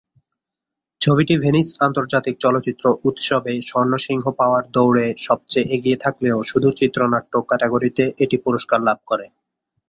ছবিটি ভেনিস আন্তর্জাতিক চলচ্চিত্র উৎসবে স্বর্ণ সিংহ পাওয়ার দৌড়ে সবচেয়ে এগিয়ে থাকলেও শুধু চিত্রনাট্য ক্যাটাগরিতে এটি পুরস্কার লাভ করে।